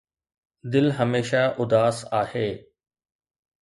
دل هميشه اداس آهي